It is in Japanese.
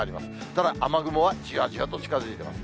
ただ、雨雲はじわじわと近づいてます。